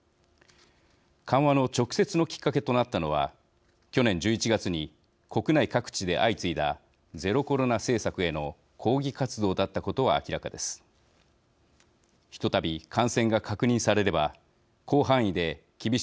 緩和の直接のきっかけとなったのは、去年１１月に国内各地で相次いだゼロコロナ政策への抗議活動だったことは明らかです。